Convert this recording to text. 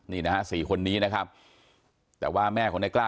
นี่นะฮะ๔คนนี้นะครับแต่ว่าแม่ของในกล้า